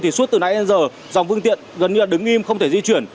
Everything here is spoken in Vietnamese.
thì suốt từ nãy đến giờ dòng phương tiện gần như là đứng im không thể di chuyển